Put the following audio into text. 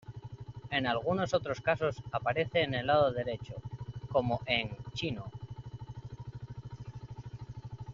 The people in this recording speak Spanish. En en algunos otros casos aparece en el lado derecho, como en 毵.